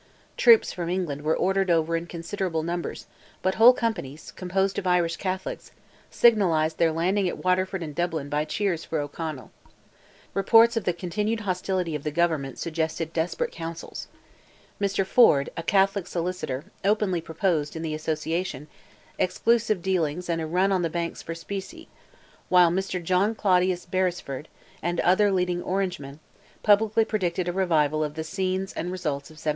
Troops from England were ordered over in considerable numbers, but whole companies, composed of Irish Catholics, signalized their landing at Waterford and Dublin by cheers for O'Connell. Reports of the continued hostility of the government suggested desperate councils. Mr. Ford, a Catholic solicitor, openly proposed, in the Association, exclusive dealing and a run on the banks for specie, while Mr. John Claudius Beresford, and other leading Orangemen, publicly predicted a revival of the scenes and results of 1798.